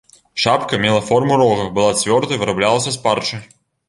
Шапка мела форму рога, была цвёрдай, выраблялася з парчы.